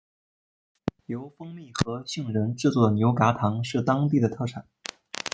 由蜂蜜和杏仁制作的牛轧糖是当地的特产。